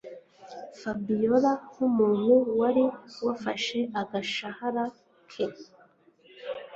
Fabiora nkumuntu wari wafashe agashahara ke